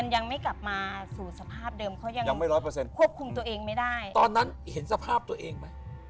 รู้สภาพตัวเองไหม